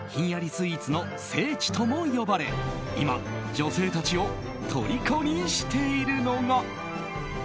スイーツの聖地とも呼ばれ今、女性たちをとりこにしているのが。